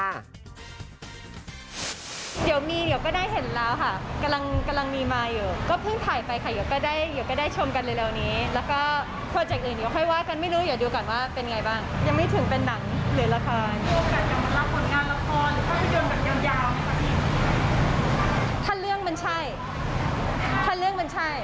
เดี๋ยวมีเดี๋ยวก็ได้เห็นแล้วค่ะ